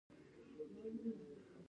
ګران صاحب خو به دا هم وييل چې